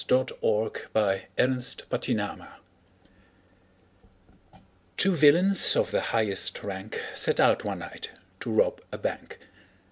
Ambrose Bierce Business TWO villains of the highest rank Set out one night to rob a bank.